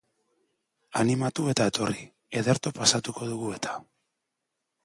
Animatu eta etorri, ederto pasatuko dugu eta!